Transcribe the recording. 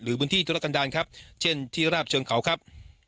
หรือบุญที่ต้องรับการดารที่ระลาบเชิงเขาครับ